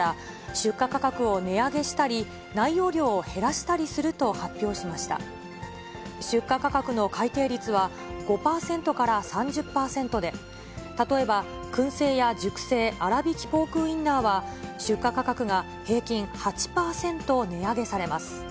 出荷価格の改定率は、５％から３０％で、例えば、燻製屋熟成あらびきポークウインナーは、出荷価格が平均８％値上げされます。